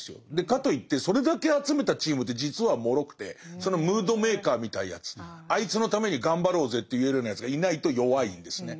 かといってそれだけ集めたチームって実はもろくてそのムードメーカーみたいなやつあいつのために頑張ろうぜって言えるようなやつがいないと弱いんですね。